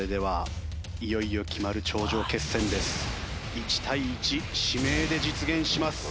１対１指名で実現します。